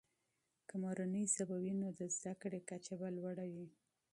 که مورنۍ ژبه وي، نو د زده کړې کچه به لوړه وي.